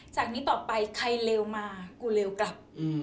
จากนี้ต่อไปใครเลวมากูเลวกลับ